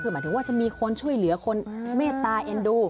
คือหมายถึงว่าจะมีคนช่วยเหลือคนเมตตาเอ็นดู